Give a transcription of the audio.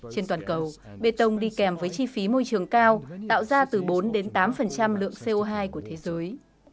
trên toàn cầu bê tông đi kèm với chi phí môi trường cao tạo ra từ bốn tám lượng co hai của thế giới